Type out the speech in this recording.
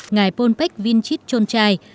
ngày polpech vichit chonchai